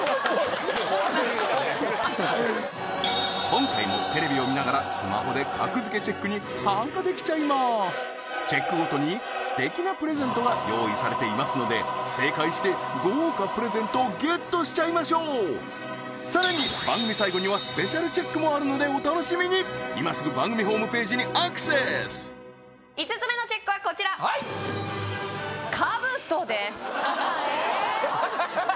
今回もテレビを見ながらスマホで格付けチェックに参加できちゃいますチェックごとにすてきなプレゼントが用意されていますので正解して豪華プレゼントをゲットしちゃいましょうさらに番組さいごにはスペシャルチェックもあるのでお楽しみにいますぐ番組ホームページにアクセス５つ目のＣＨＥＣＫはこちらはい兜ですええー